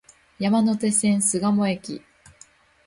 山手線、巣鴨駅